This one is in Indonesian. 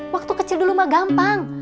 waktu kecil dulu mah gampang